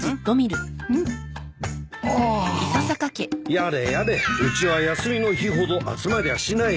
やれやれうちは休みの日ほど集まりゃしない。